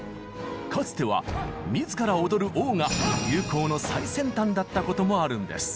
かつては自ら踊る王が流行の最先端だったこともあるんです。